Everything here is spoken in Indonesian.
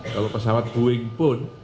kalau pesawat boeing pun